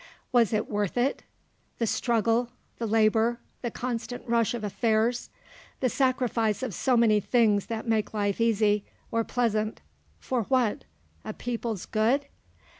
Was it worth it? The struggle, the labour, the constant rush of affairs, the sacrifice of so many things that make life easy, or pleasant for what? A people's good!